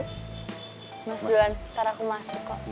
mas johan ntar aku masuk kok